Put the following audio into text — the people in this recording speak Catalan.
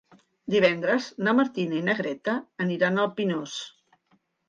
Divendres na Martina i na Greta aniran al Pinós.